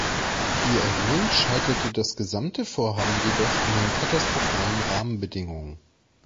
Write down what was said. Wie erwähnt, scheiterte das gesamte Vorhaben jedoch an den katastrophalen Rahmenbedingungen.